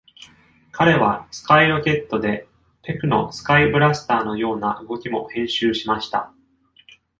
彼はスカイ・ロケットでペクのスカイ・ブラスターのような動きも編集しました。